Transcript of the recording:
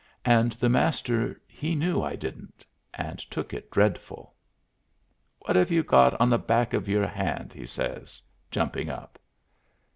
And the Master he knew I didn't, and took on dreadful. "What 'ave you got on the back of your hand?" says he, jumping up.